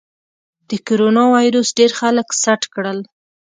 د کرونا ویروس ډېر خلک سټ کړل.